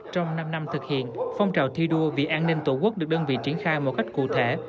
trong năm năm thực hiện phong trào thi đua vì an ninh tổ quốc được đơn vị triển khai một cách cụ thể